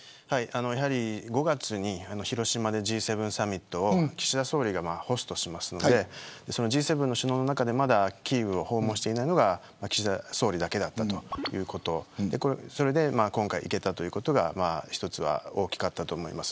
やはり５月に広島でＧ７サミットを岸田総理がホストをしますのでその首脳の中でキーウを訪問していないのが岸田総理だけだったということそれが今回、行けたということが一つ大きかったと思います。